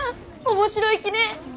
面白いきね！